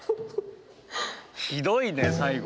ひどいね最後。